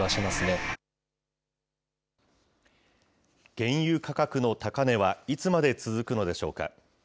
原油価格の高値はいつまで続くのでしょうか。